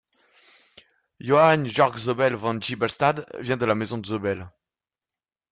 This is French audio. Johann Georg Zobel von Giebelstadt vient de la maison de Zobel.